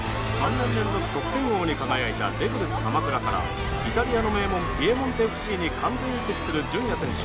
３年連続得点王に輝いたレグルス鎌倉からイタリアの名門ピエモンテＦＣに完全移籍する純也選手。